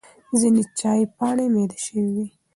ځینې چای پاڼې مېده شوې وي.